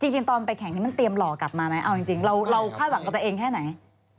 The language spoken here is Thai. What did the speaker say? จริงตอนไปแข่งนี้มันเตรียมหล่อกลับมาไหมเอาจริงเราคาดหวังกับตัวเองแค่ไหน